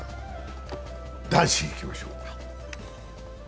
男子にいきましょう。